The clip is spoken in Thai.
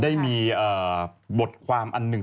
ได้มีบทความอันหนึ่ง